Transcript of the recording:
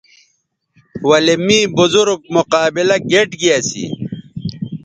ولے می بزرگ مقابلہ گیئٹ گی اسی